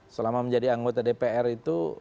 selama menjadi anggota dpr itu